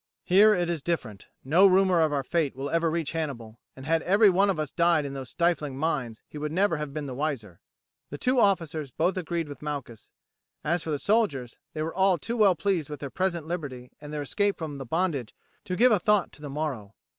"Here it is different. No rumour of our fate will ever reach Hannibal, and had every one of us died in those stifling mines he would never have been the wiser." The two officers both agreed with Malchus; as for the soldiers, they were all too well pleased with their present liberty and their escape from the bondage to give a thought to the morrow.